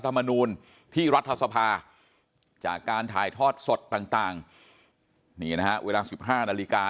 ธรรมนูลที่รัฐสภาจากการถ่ายทอดสดต่างนี่นะฮะเวลา๑๕นาฬิกา